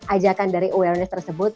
ajakan dari awareness tersebut